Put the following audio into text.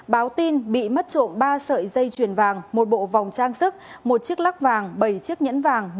báo tin bị mất trộm ba sợi dây chuyền vàng một bộ vòng trang sức một chiếc lắc vàng bảy chiếc nhẫn vàng